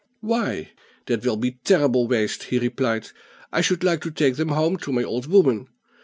"Why that will be terrible waste," he replied; "I should like to take them home to my old woman.